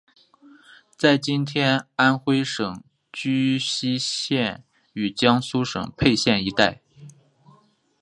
在今天安微省睢溪县与江苏省沛县一带。